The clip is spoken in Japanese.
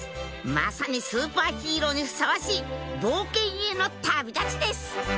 まさにスーパーヒーローにふさわしい冒険への旅立ちです！